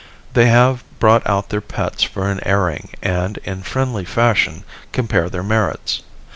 They have brought out their pets for an airing and in. friendly fashion compare their merits.